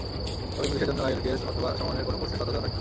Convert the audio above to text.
তবে ইংলিশের জন্য আইইএলটিএস অথবা সমমানের কোনো কোর্সের শর্ত দেওয়া থাকে।